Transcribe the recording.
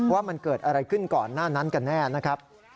ว่ามันเกิดอะไรขึ้นก่อนหน้านั้นกันแน่นะครับ